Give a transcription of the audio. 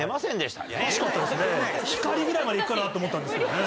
光ぐらいまで行くかなと思ったんですけどね。